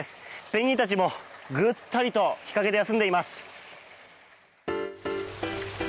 ペンギンたちもぐったりと日陰で休んでいます。